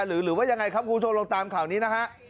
หรือว่ายังไงครับคุณผู้ชมลองตามข่าวนี้นะฮะ